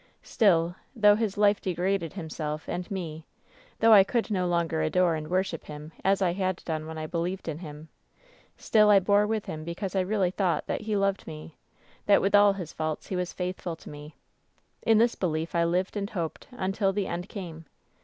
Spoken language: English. Still, though his life degraded himself and me, though I could no longer adore and worship him as I had done when I believed in him — still I bore with him because I really thought that he loved me, that with all his faults he was faithful to me. In this belief I lived and hoped until the end came.